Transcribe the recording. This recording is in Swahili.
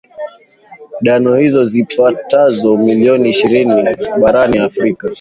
dano hizi zipatazo milioni ishirini barani afrika